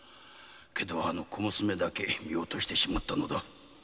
けれどあの娘だけ見落としてしまったのだ